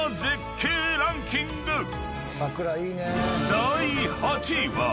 ［第８位は］